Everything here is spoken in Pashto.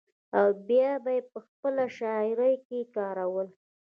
او بيا به پۀ خپله شاعرۍ کښې کارول ۔